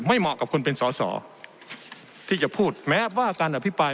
เหมาะกับคนเป็นสอสอที่จะพูดแม้ว่าการอภิปราย